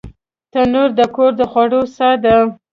تنور د کور د خوړو ساه ده